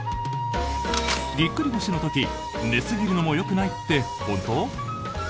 ぎっくり腰の時寝すぎるのもよくないって本当？